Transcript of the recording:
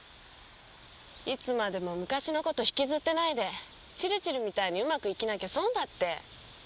いつまでも昔のこと引きずってないでチルチルみたいにうまく生きなきゃ損だって！